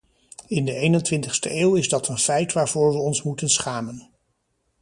In de eenentwintigste eeuw is dat een feit waarvoor we ons moeten schamen.